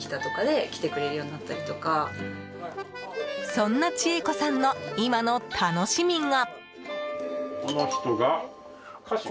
そんな千恵子さんの今の楽しみが。